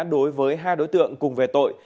đối với hai đối tượng cùng về tội